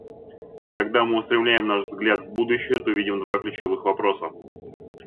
Когда мы устремляем наш взгляд в будущее, то видим два ключевых вопроса.